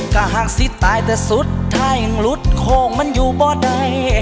ก็หักสิตายแต่สุดถ้ายังหลุดโค้งมันอยู่บ่อใด